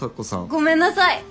ごめんなさい。